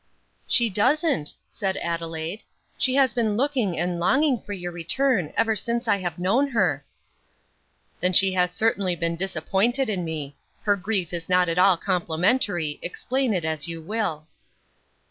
"She doesn't," said Adelaide, "she has been looking and longing for your return ever since I have known her." "Then she has certainly been disappointed in me; her grief is not at all complimentary, explain it as you will."